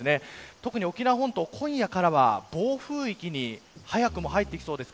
特に沖縄本島は今夜からは暴風域に早くも入ってきそうです。